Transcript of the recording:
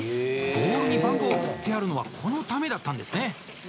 ボウルに番号を振ってあるのはこのためだったんですね。